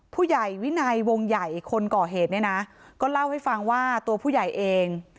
ผู้ใหญ่วินัยวงใหญ่คนก่อเหตุเนี่ยนะก็เล่าให้ฟังว่าตัวผู้ใหญ่เอง